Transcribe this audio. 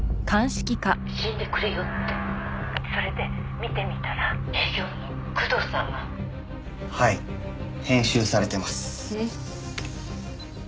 「“死んでくれよ”って」「」「それで見てみたら営業部の工藤さんが」はい編集されてます。